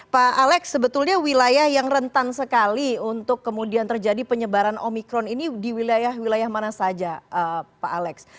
pak alex sebetulnya wilayah yang rentan sekali untuk kemudian terjadi penyebaran omikron ini di wilayah wilayah mana saja pak alex